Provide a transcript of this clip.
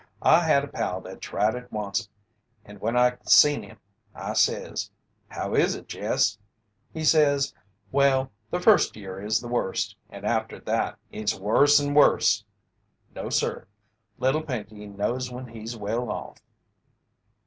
I had a pal that tried it onct, and when I seen him, I says: 'How is it, Jess?' He says, 'Well, the first year is the worst, and after that it's worse and worse.' No, sir! Little Pinkey knows when he's well off."